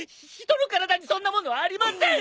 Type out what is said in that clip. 人の体にそんなものありません！